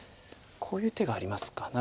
こういう手がありますか。